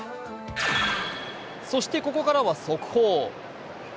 そしてここからは速報。